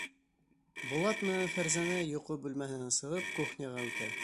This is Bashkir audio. Булат менән Фәрзәнә йоҡо бүлмәһенән сығып кухняға үтә.